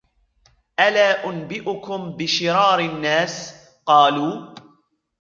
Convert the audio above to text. أَلَا أُنْبِئُكُمْ بِشِرَارِ النَّاسِ ؟ قَالُوا